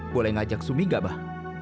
boleh ngajak sumiga bah